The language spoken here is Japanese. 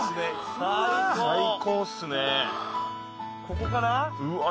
ここかな